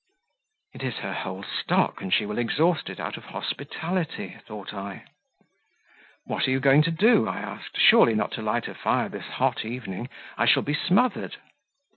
"It is her whole stock, and she will exhaust it out of hospitality," thought I. "What are you going to do?" I asked: "not surely to light a fire this hot evening? I shall be smothered."